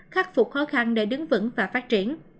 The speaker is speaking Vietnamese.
khắc phục khó khăn để đứng vững và phát triển